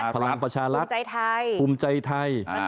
พลังประชารัฐภูมิใจไทย